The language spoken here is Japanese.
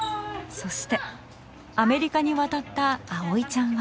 そしてアメリカに渡った葵ちゃんは。